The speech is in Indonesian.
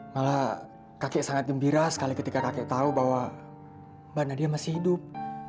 malah kakek sangat gembira sekali ketika kakek tahu bahwa mbak nadia masih hidup